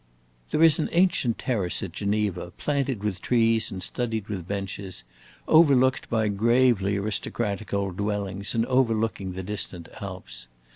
There is an ancient terrace at Geneva, planted with trees and studded with benches, overlooked by gravely aristocratic old dwellings and overlooking the distant Alps.